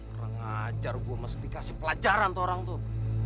orang ajar gue masif dikasih pelajaran tuh orang tuh